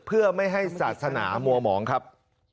เพื่อไม่ให้ศาสนามัวหมองครับ